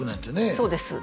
そうです